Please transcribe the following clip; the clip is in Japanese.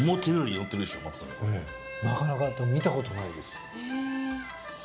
なかなか見たことないです。